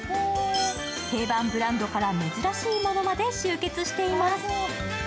定番ブランドから珍しいものまで集結しています。